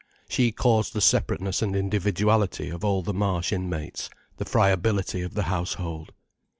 She caused the separateness and individuality of all the Marsh inmates, the friability of the household.